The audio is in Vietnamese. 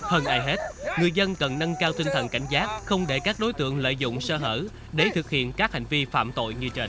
hơn ai hết người dân cần nâng cao tinh thần cảnh giác không để các đối tượng lợi dụng sơ hở để thực hiện các hành vi phạm tội như trên